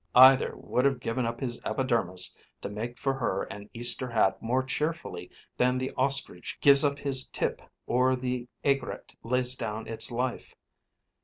Either would have given up his epidermis to make for her an Easter hat more cheerfully than the ostrich gives up his tip or the aigrette lays down its life.